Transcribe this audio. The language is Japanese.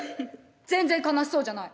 全然悲しそうじゃない。